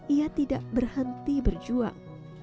ia tidak berhenti berjuang